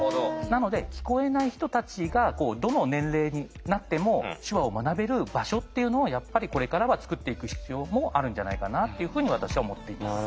なので聞こえない人たちがどの年齢になっても手話を学べる場所っていうのをやっぱりこれからは作っていく必要もあるんじゃないかなというふうに私は思っています。